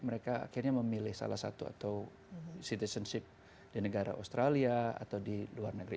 mereka akhirnya memilih salah satu atau citizenship di negara australia atau di luar negeri